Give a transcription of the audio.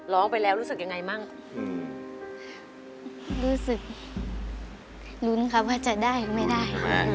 ร้องไปแล้วรู้สึกยังไงมั่งรู้สึกลุ้นครับว่าจะได้ไม่ได้